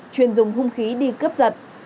chuyên dùng hung khí đi cướp giật